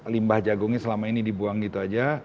limbah jagungnya selama ini dibuang gitu aja